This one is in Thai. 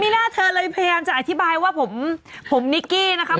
หน้าเธอเลยพยายามจะอธิบายว่าผมผมนิกกี้นะครับ